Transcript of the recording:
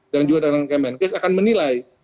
dan juga dengan kemenkes akan menilai